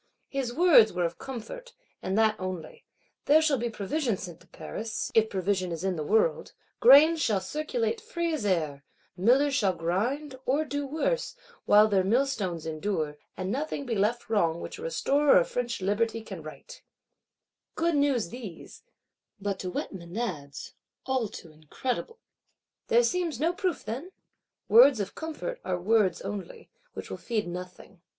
His words were of comfort, and that only: there shall be provision sent to Paris, if provision is in the world; grains shall circulate free as air; millers shall grind, or do worse, while their millstones endure; and nothing be left wrong which a Restorer of French Liberty can right. Good news these; but, to wet Menads, all too incredible! There seems no proof, then? Words of comfort are words only; which will feed nothing.